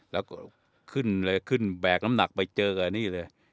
แล้วก็ขึ้นเลยขึ้นแบกน้ำหนักไปเจอกับนี่เลย